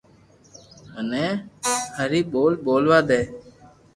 مني ھري ٻول ٻولوا دي